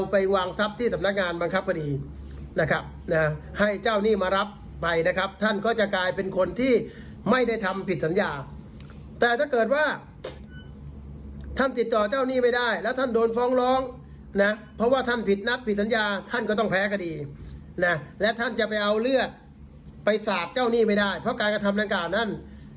ไปศาสตร์เจ้าหนี้ไปได้เพราะการกระทำรังการนั้น